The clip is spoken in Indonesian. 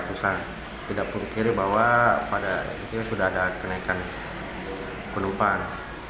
tidak pun kira bahwa sudah ada kenaikan penumpang